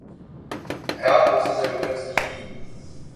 Hrál pouze za juniorský tým.